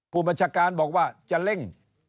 ผู้บัญชาการบอกว่าจะเร่ง